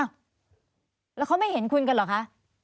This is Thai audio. แล้วเขาไม่เห็นคุณกันเหรอคะ